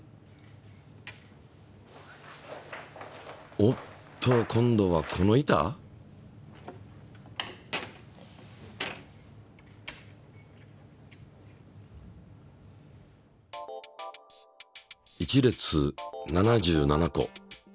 おっと今度はこの板？１列７７個。